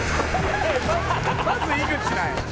「まず井口なんや」